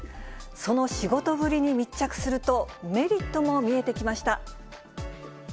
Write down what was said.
その仕事ぶりに密着すると、メリットも見えてきました。